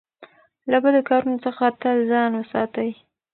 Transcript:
له بدو کارونو څخه تل ځان وساتئ.